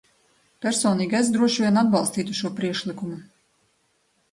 Personīgi es droši vien atbalstītu šo priekšlikumu.